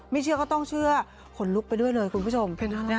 เชื่อก็ต้องเชื่อขนลุกไปด้วยเลยคุณผู้ชม